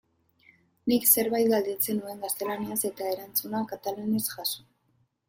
Nik zerbait galdetzen nuen gaztelaniaz eta erantzuna katalanez jaso.